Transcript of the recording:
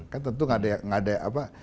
kan tentu nggak ada apa